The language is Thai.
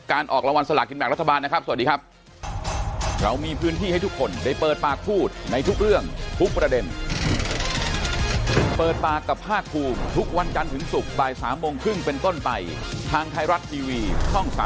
ออกรางวัลสลากินแบ่งรัฐบาลนะครับสวัสดีครับ